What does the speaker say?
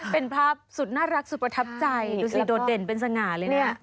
เป็นภาพสุดน่ารักสุดประทับใจดูสิโดดเด่นเป็นสง่าเลยเนี่ย